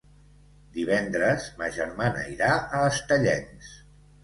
Divendres ma germana irà a Estellencs.